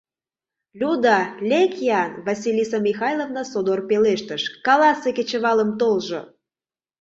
— Люда, лек-ян, — Василиса Михайловна, содор пелештыш, — каласе, кечывалым толжо.